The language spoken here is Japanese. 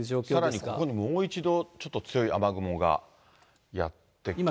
さらにここにもう一度ちょっと強い雨雲がやって来ていますね。